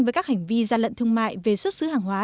với các hành vi gian lận thương mại về xuất xứ hàng hóa